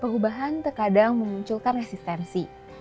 perubahan terkadang memunculkan resistensi